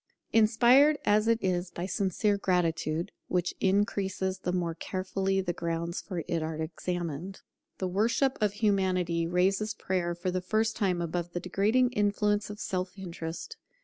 Inspired as it is by sincere gratitude, which increases the more carefully the grounds for it are examined, the worship of Humanity raises Prayer for the first time above the degrading influence of self interest.